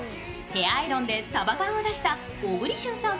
ヘアアイロンで束感を出した小栗旬さん